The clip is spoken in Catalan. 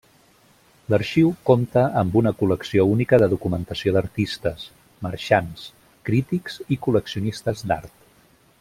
L'Arxiu compta amb una col·lecció única de documentació d'artistes, marxants, crítics i col·leccionistes d'art.